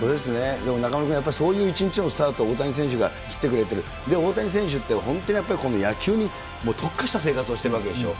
でも中丸君、そういう一日のスタート、大谷選手が切ってくれてる、大谷選手って本当にやっぱりこの野球に特化した生活をしてるわけでしょ。